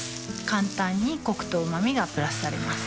簡単にコクとうま味がプラスされます